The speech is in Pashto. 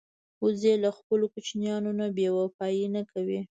وزې له خپلو کوچنیانو نه بېوفايي نه کوي